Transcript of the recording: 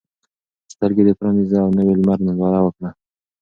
سترګې دې پرانیزه او د نوي لمر ننداره وکړه.